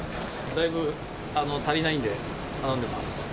だいぶ足りないんで、頼んでます。